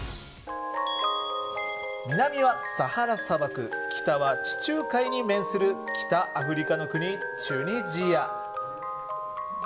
南はサハラ砂漠北は地中海に面する北アフリカの国・チュニジア。